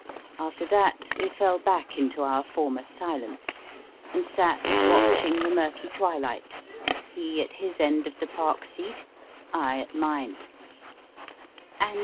After that we fell back into our former silence, and sat watching the murky twilight, he at his end of the park seat, I at mine.